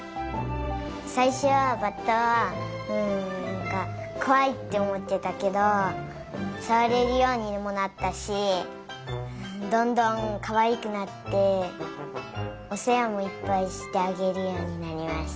さいしょはバッタはうんなんかこわいっておもってたけどさわれるようにもなったしどんどんかわいくなっておせわもいっぱいしてあげるようになりました。